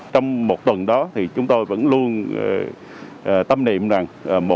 trong một tuần đó thì chúng tôi vẫn luôn tâm niệm rằng